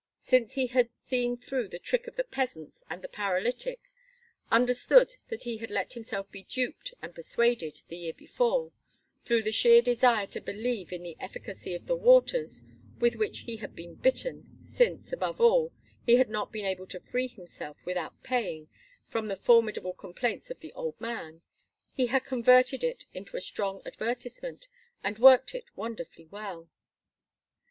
Since he had seen through the trick of the peasants and the paralytic, understood that he had let himself be duped and persuaded, the year before, through the sheer desire to believe in the efficacy of the waters with which he had been bitten, since, above all, he had not been able to free himself, without paying, from the formidable complaints of the old man, he had converted it into a strong advertisement, and worked it wonderfully well.